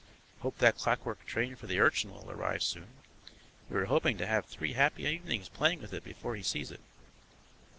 Hope that clockwork train for the Urchin will arrive soon; we were hoping to have three happy evenings playing with it before he sees it.